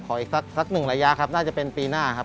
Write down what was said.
อีกสักหนึ่งระยะครับน่าจะเป็นปีหน้าครับ